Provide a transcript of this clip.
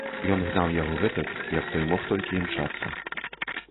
Ён гнаў яго гэтак, як той мог толькі імчацца.